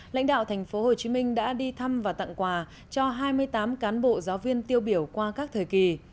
lãnh đạo tp hcm đã đi thăm và tặng quà cho hai mươi tám cán bộ giáo viên tiêu biểu qua các thời kỳ